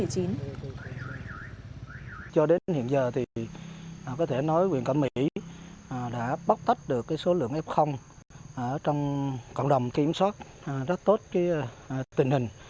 cho đến hiện giờ thì có thể nói quyền cẩm mỹ đã bóc tách được số lượng f trong cộng đồng kiểm soát rất tốt tình hình